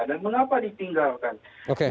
dan mengapa ditinggalkan